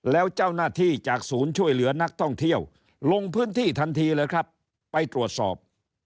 แล้วเจ้าหน้าที่จากศูนย์ช่วยเหลือนักท่องเที่ยวลงพื้นที่ทันทีเลยครับไปตรวจสอบ